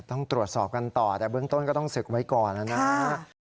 ต้องตรวจสอบกันต่อแต่เบื้องต้นก็ต้องศึกไว้ก่อนนะครับ